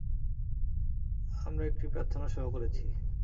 আমরা একটি প্রার্থনা সভা করেছি।